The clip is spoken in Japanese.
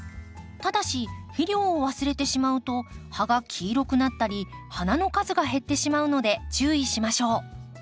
ただし肥料を忘れてしまうと葉が黄色くなったり花の数が減ってしまうので注意しましょう。